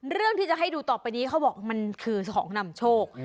เรื่องที่จะให้ดูต่อไปนี้เขาบอกมันคือของนำโชค